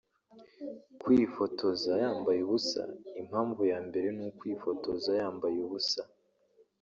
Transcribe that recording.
Kwifotoza yambaye ubusa Impamvu ya mbere ni ukwifotoza yambaye ubusa